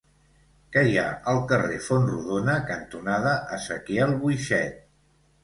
Què hi ha al carrer Fontrodona cantonada Ezequiel Boixet?